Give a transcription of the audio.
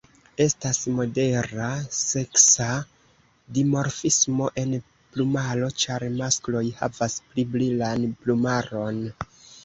Estas modera seksa dimorfismo en plumaro, ĉar maskloj havas pli brilan plumaron.